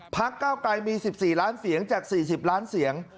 เก้าไกรมี๑๔ล้านเสียงจาก๔๐ล้านเสียง